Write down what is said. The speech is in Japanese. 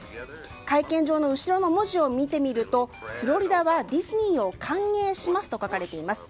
会見場の後ろの文字を見てみますとフロリダはディズニーを歓迎しますと書かれています。